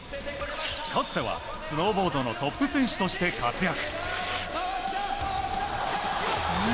かつては、スノーボードのトップ選手として活躍。